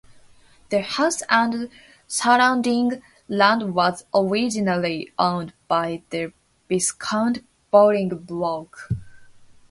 The house and surrounding land was originally owned by the Viscount Bolingbroke.